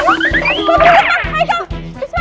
putri kejar yuk